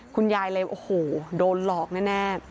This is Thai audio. คุณยายเลยโอ้โหโดนหลอกแน่